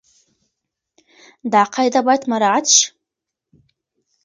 دا قاعده بايد مراعت شي.